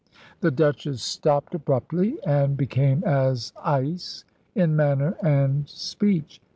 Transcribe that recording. The Duchess stopped abruptly, and became as ice in manner and speech.